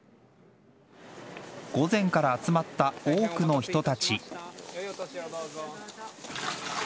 午前から集まった多くの人たち。